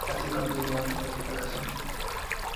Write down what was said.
Aun así continúan las operaciones.